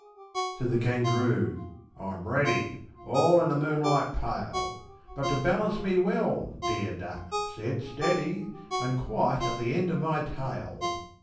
V. Said the Kangaroo, "I'm ready, All in the moonlight pale; But to balance me well, dear Duck, sit steady, And quite at the end of my tail."